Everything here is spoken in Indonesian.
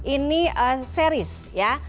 ini seri ya